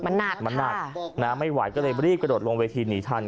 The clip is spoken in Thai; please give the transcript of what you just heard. มันหนักมันหนักนะไม่ไหวก็เลยรีบกระโดดลงเวทีหนีทัน